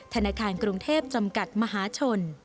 ธนาคารกรุงเทพจำกัดมหาชน